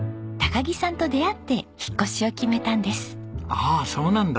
ああそうなんだ。